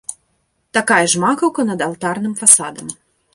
Такая ж макаўка над алтарным фасадам.